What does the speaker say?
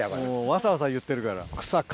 わさわさいってるから。